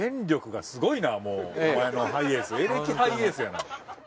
エレキハイエースやな。